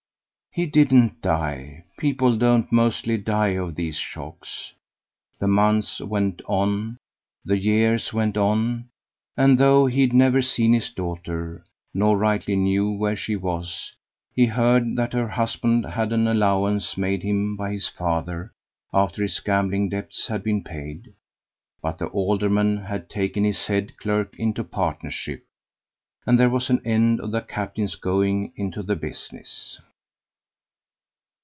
He didn't die. People don't mostly die of these shocks. The months went on; the years went on; and though he'd never seen his daughter, nor rightly knew where she was, he heard that her husband had an allowance made him by his father after his gambling debts had been paid; but the alderman had taken his head clerk into partnership, and there was an end of the captain's going into the business.